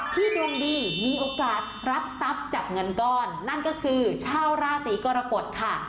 ดวงดีมีโอกาสรับทรัพย์จากเงินก้อนนั่นก็คือชาวราศีกรกฎค่ะ